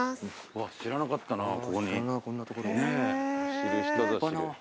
知る人ぞ知る。